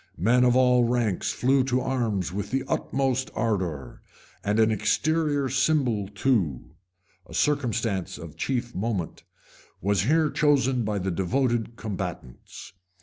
[] Men of all ranks flew to arms with the utmost ardor; and an exterior symbol too a circumstance of chief moment, was here chosen by the devoted combatants.